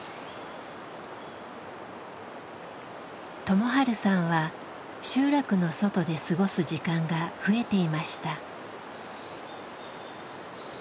友治さんは集落の外で過ごす時間が増えていました。